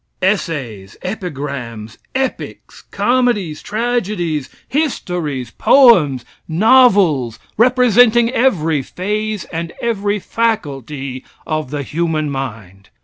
Essays, epigrams, epics, comedies, tragedies, histories, poems, novels, representing every phase and every faculty of the human mind.